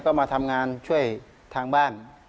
ก็มาทำงานช่วยทางบ้าน